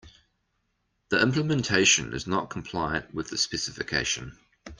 The implementation is not compliant with the specification.